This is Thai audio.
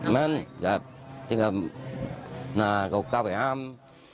มันจะน่าก็เข้าไปห้าม